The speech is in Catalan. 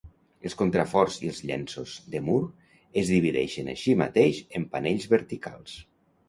Els contraforts i els llenços de mur es divideixen així mateix en panells verticals.